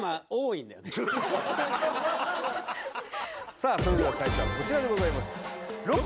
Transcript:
さあそれでは最初はこちらでございます。